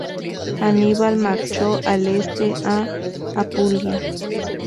Aníbal marchó al este, a Apulia.